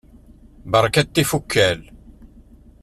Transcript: Berkat tifukal!